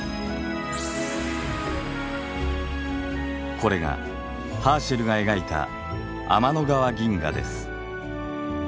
これがハーシェルが描いた天の川銀河です。